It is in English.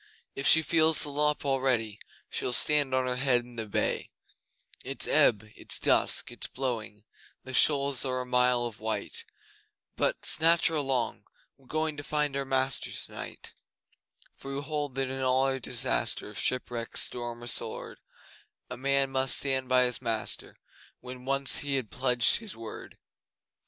If she feels the lop already She'll stand on her head in the bay. It's ebb it's dusk it's blowing, The shoals are a mile of white, But (snatch her along!) we're going To find our master tonight. For we hold that in all disaster Of shipwreck, storm, or sword, A man must stand by his master When once he had pledged his word!